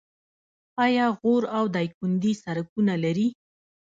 آیا غور او دایکنډي سړکونه لري؟